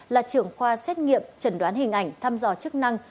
là trưởng khoa xét nghiệm chẩn đoán hình ảnh thăm dò chức năng